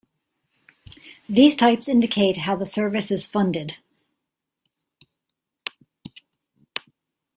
These types indicate how the service is funded.